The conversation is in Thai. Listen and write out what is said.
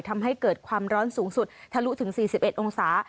ทำให้เกิดความร้อนสูงสุดทะลุถึง๔๑องศา